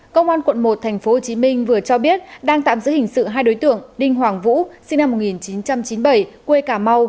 công an quận một tp hcm vừa cho biết đang tạm giữ hình sự hai đối tượng đinh hoàng vũ sinh năm một nghìn chín trăm chín mươi bảy quê cà mau